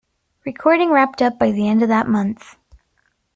Recording wrapped up by the end of that month.